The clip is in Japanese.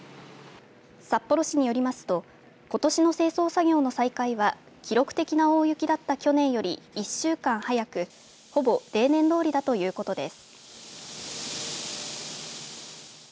札幌市よりますとことしの清掃作業の再開は記録的な大雪だった去年より１週間早くほぼ例年どおりだということです。